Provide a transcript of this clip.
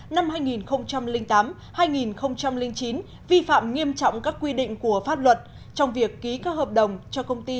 năm hai nghìn tám hai nghìn chín vi phạm nghiêm trọng các quy định của pháp luật trong việc ký các hợp đồng cho công ty